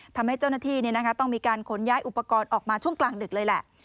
ทำให้เจ้าหน้าที่ต้องมีการขนย้ายอุปกรณ์ออกมาช่วงกลางดึกเลยแหละ